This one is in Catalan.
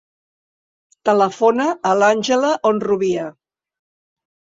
Telefona a l'Àngela Honrubia.